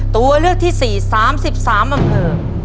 ตัวเลือกที่สี่สามสิบสามอำเภอ